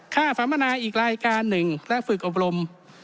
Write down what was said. ค่าสามบรรณาอีกรายการหนึ่งและฝึกอบรม